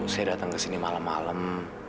saya datang ke sini malam malam